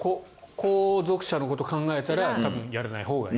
後続車のことを考えたらやらないほうがいい。